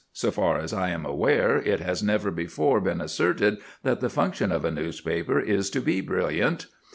So far as I am aware, it has never before been asserted that the function of a newspaper is to be brilliant.